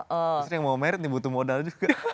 maksudnya yang mau merit nih butuh modal juga